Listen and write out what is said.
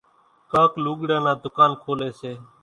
ڪانڪ لُوڳڙان نان ڌُڪانَ کوليَ سي۔